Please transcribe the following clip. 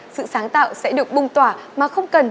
sự sáng tạo sẽ được bùng tỏa mà không cần